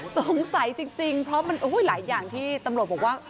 สงสัยจริงเพราะมันหลายอย่างที่ตำรวจบอกว่า